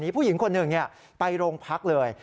ผู้หญิงคนหนึ่งไปโรงพักเลย